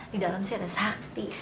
di dalam sih ada sakti